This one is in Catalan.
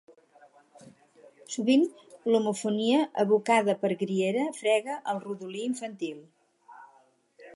Sovint, l'homofonia evocada per Griera frega el rodolí infantil.